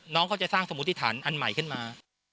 น้องเขาจะสร้างสมุติฐานอันใหม่ขึ้นมา